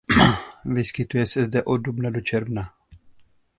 Vyskytuje se zde od dubna do června.